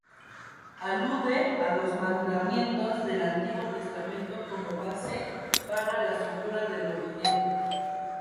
Alude a los mandamientos del Antiguo Testamento, como base para la estructura del movimiento.